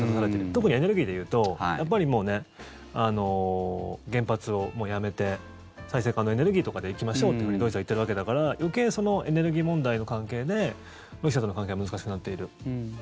特にエネルギーでいうとやっぱりもう、原発をもうやめて再生可能エネルギーとかでいきましょうとドイツは言っているわけだから余計そのエネルギー問題の関係でロシアとの関係が難しくなっている。